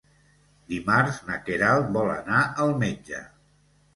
Dimarts na Queralt vol anar al metge.